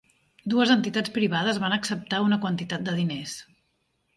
Dues entitats privades van acceptar una quantitat de diners.